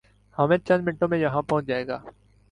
حامد چند منٹوں میں یہاں پہنچ جائے گا